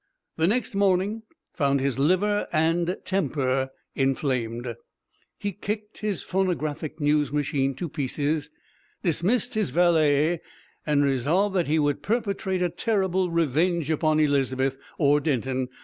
The next morning found his liver and temper inflamed. He kicked his phonographic news machine to pieces, dismissed his valet, and resolved that he would perpetrate a terrible revenge upon Elizabeth. Or Denton.